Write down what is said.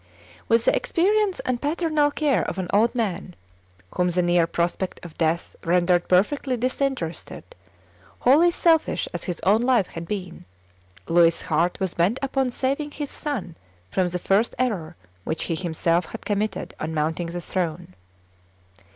With the experience and paternal care of an old man, whom the near prospect of death rendered perfectly disinterested, wholly selfish as his own life had been, Louis's heart was bent upon saving his son from the first error which he himself had committed on mounting the throne.